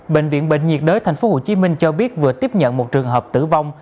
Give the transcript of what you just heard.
bệnh viện bệnh nhiệt đới tp hcm cho biết vừa tiếp nhận một trường hợp tử vong